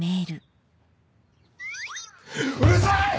うるさい！